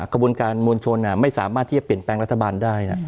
กระบวนการมวลชนไม่สามารถที่จะเปลี่ยนแปลงรัฐบาลได้